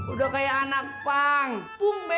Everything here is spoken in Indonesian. udah kayak anak